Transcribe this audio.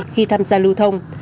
khi tham gia lưu thông